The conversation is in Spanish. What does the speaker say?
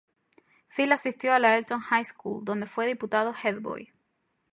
Phil asistió a la Elton High School, donde fue Diputado Head Boy.